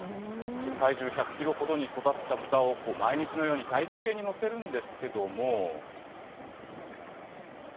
体重１００キロほどに育った豚を、毎日のように体重計に乗せるんですけれども。